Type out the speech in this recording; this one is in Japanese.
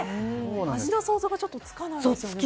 味の想像がちょっとつかないですね。